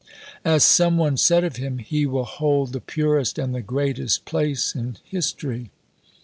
As some one said of him, he will hold "the purest and the greatest place in history."